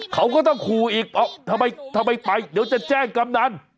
เขาก็ต้องขู่อีกทำไมไปเดี๋ยวจะแจ้งกำนัน